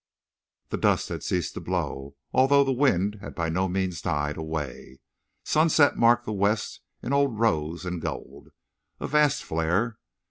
The dust had ceased to blow, although the wind had by no means died away. Sunset marked the west in old rose and gold, a vast flare.